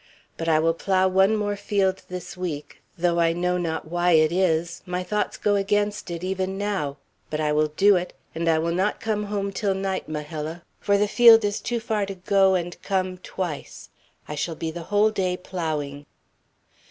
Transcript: But I will plough one more field this week; though, I know not why it is, my thoughts go against it even now. But I will do it; and I will not come home till night, Majella, for the field is too far to go and come twice. I shall be the whole day ploughing."